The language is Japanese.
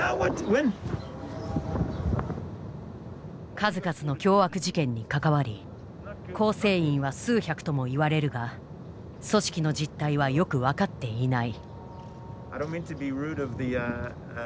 数々の凶悪事件に関わり構成員は数百ともいわれるが組織の実態はよく分かっていない。